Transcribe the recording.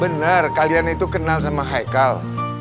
benar kalian itu kenal sama haikal